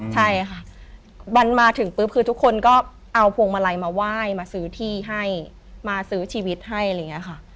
ใช่ค่ะบอลมาถึงปุ๊บคือทุกคนก็เอาพวงมาลัยมาไหว้มาซื้อที่ให้มาซื้อชีวิตให้อะไรอย่างนี้ค่ะ